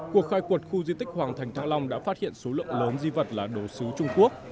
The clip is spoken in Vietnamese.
cuộc khai quật khu di tích hoàng thành thăng long đã phát hiện số lượng lớn di vật là đồ sứ trung quốc